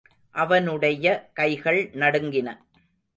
அவனுடைய கைகள் நடுங்கின.